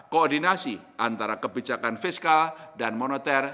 koordinasi antara kebijakan fiskal dan moneter